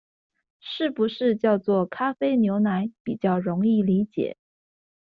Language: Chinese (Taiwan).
是不是叫做「咖啡牛奶」比較容易理解